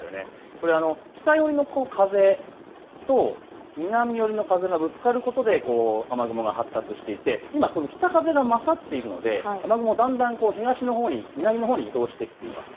これは北寄りの風と南寄りの風がぶつかることで雨雲が発達していて、今この北風がまざっているので雨雲がだんだん東のほうに南のほうに移動してきています。